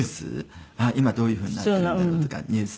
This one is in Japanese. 今どういうふうになっているんだろうとかニュースと。